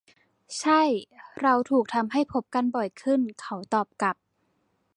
ใช่ เราถูกทำให้พบกันบ่อยขึ้น เขาตอบกลับ